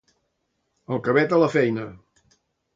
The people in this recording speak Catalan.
El cabet a la faena.